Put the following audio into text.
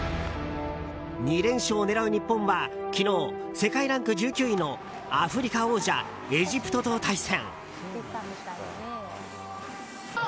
２連勝を狙う日本は昨日世界ランク１９位のアフリカ王者、エジプトと対戦。